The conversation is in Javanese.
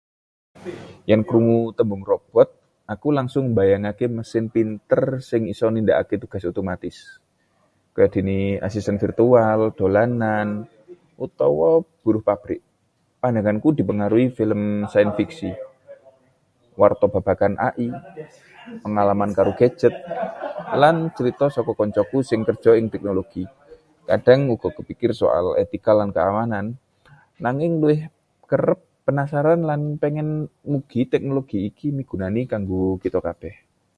"Yen krungu tembung ""robot"", aku langsung mbayangke mesin pinter sing iso nindakake tugas otomatis kaya dene asisten virtual, dolanan, utawa buruh pabrik. Pandanganku dipengaruhi film sains fiksi, warta babagan AI, pengalaman karo gadget, lan crita saka kancaku sing kerja ing teknologi. Kadhang uga kepikir soal etika lan keamanan, nanging luwih kerep penasaran lan ngarep mugi teknologi iki migunani kanggo kita kabèh."